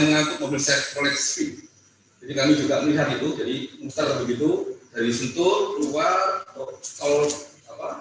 mengaku mobil set koleksi jadi kami juga melihat itu jadi seperti itu dari situ keluar tol apa